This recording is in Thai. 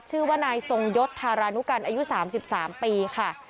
ชื่อว่านายทรงยศธารานุกันอายุ๓๓ปีค่ะ